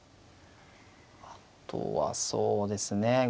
あとはそうですね。